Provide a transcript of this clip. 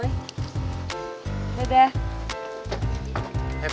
jangan tambah krepa